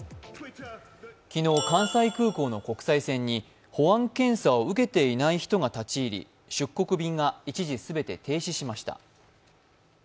昨日、関西空港の国際線に保安検査を受けていない人が立ち入り、出国便が一時全て停止しました。